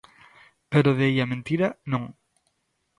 Pero de aí á mentira, non.